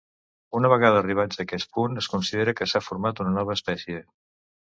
Una vegada arribats a aquest punt es considera que s'ha format una nova espècie.